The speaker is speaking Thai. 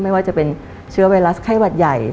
ไม่ว่าจะเป็นเชื้อไวรัสไข้หวัดใหญ่